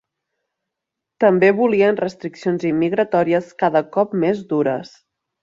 També volien restriccions immigratòries cada cop més dures.